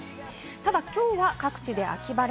ただきょうは各地で秋晴れ。